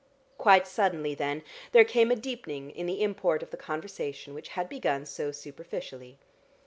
Quite suddenly, then, there came a deepening in the import of the conversation which had begun so superficially.